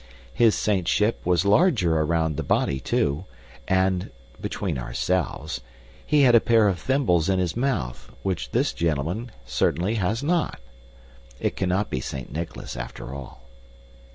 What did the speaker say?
His saintship was larger around the body, too, and (between ourselves) he had a pair of thimbles in his mouth, which this gentleman certain has not. It cannot be Saint Nicholas after all.